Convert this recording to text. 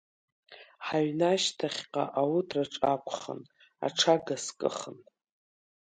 Ҳаҩны ашьҭахьҟа ауҭраҿ акәхын, аҽага скыхын.